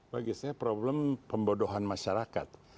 bagi saya problem pembodohan masyarakat